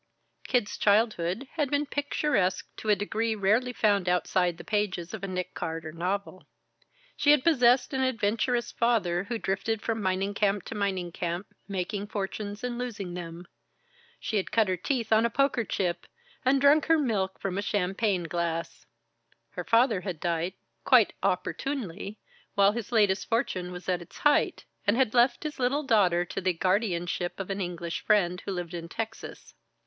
Kid's childhood had been picturesque to a degree rarely found outside the pages of a Nick Carter novel. She had possessed an adventurous father, who drifted from mining camp to mining camp, making fortunes and losing them. She had cut her teeth on a poker chip, and drunk her milk from a champagne glass. Her father had died quite opportunely while his latest fortune was at its height, and had left his little daughter to the guardianship of an English friend who lived in Texas.